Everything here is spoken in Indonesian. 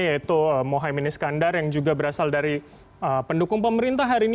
yaitu mohaimin iskandar yang juga berasal dari pendukung pemerintah hari ini